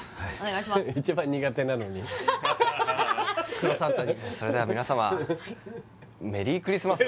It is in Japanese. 黒サンタにそれでは皆様メリークリスマス！